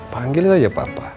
panggil aja papa